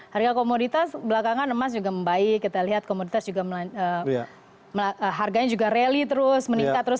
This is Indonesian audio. harga komoditas belakangan emas juga membaik kita lihat komoditas juga harganya juga rally terus meningkat terus